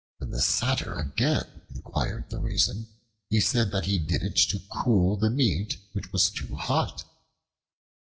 When the Satyr again inquired the reason, he said that he did it to cool the meat, which was too hot.